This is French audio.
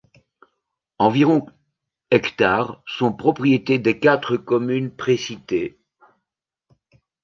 Environ hectares sont propriété des quatre communes précitées.